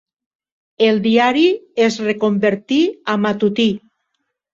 El diari es reconvertí a matutí.